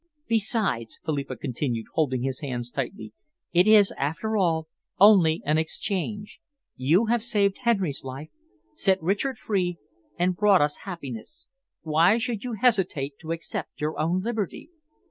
"Besides," Philippa continued, holding his hands tightly, "it is, after all, only an exchange. You have saved Henry's life, set Richard free, and brought us happiness. Why should you hesitate to accept your own liberty?"